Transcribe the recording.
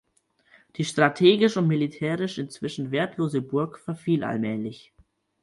Die strategisch und militärisch inzwischen wertlose Burg verfiel allmählich.